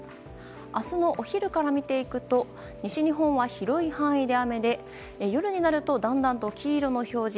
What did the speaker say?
明日のお昼から見ていくと西日本は広い範囲で雨で夜になるとだんだんと黄色の表示。